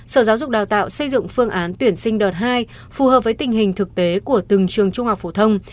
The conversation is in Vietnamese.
sở giáo dục đào tạo xây dựng phương án tuyển sinh đợt hai phù hợp với tình hình thực tế của từng trường trung học phổ thông